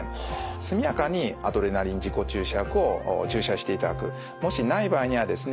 速やかにアドレナリン自己注射薬を注射していただく。もしない場合にはですね